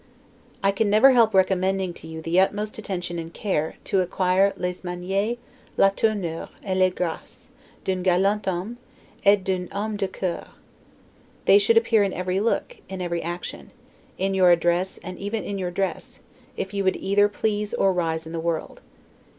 I can never help recommending to you the utmost attention and care, to acquire 'les Manieres, la Tournure, et les Graces, d'un galant homme, et d'un homme de cour'. They should appear in every look, in every action; in your address, and even in your dress, if you would either please or rise in the world.